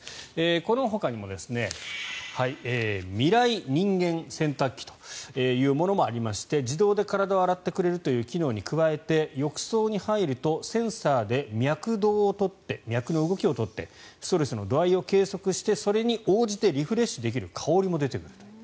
このほかにもミライ人間洗濯機というものもありまして自動で体を洗ってくれるという機能に加えて浴槽に入るとセンサーで脈動、脈の動きを取ってストレスの度合いを計測してリフレッシュできる香りも出てくるという。